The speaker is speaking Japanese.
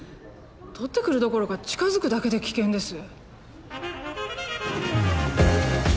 取ってくるどころか近づくだけで危険です。